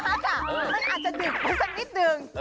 มันอาจจะดึกแล้วซักนิดหนึ่ง